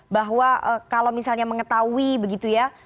bahwa kalau misalnya mengetahui begitu ya